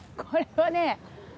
これはね。